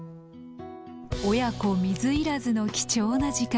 親子水入らずの貴重な時間。